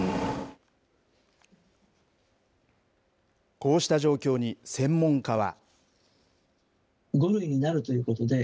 こうした状況に、専門家は。